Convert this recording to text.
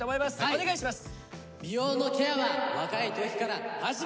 お願いします！